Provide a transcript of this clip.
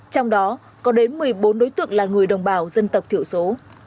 trong đó có đến một mươi bốn đối tượng là người đồng bào dân tộc thiểu số